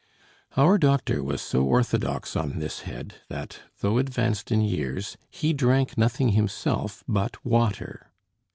Our doctor was so orthodox on this head that, though advanced in years, he drank nothing himself but water.